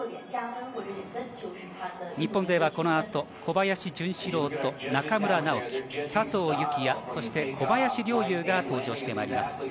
日本勢はこの後、小林潤志郎と中村直幹、佐藤幸椰、そして小林陵侑が登場してまいります。